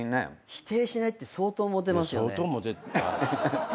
否定しないって相当モテますよね。